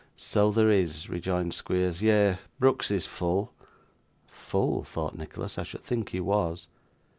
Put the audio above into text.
'So there is,' rejoined Squeers. 'Yes! Brooks is full.' 'Full!' thought Nicholas. 'I should think he was.